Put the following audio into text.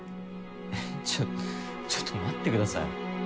えっちょっちょっと待ってください